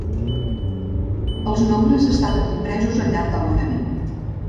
Els nombres estaven impresos al llarg del voraviu.